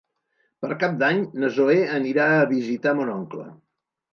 Per Cap d'Any na Zoè anirà a visitar mon oncle.